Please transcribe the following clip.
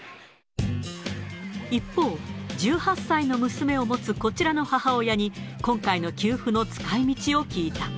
一方、１８歳の娘を持つこちらの母親に、今回の給付の使いみちを聞いた。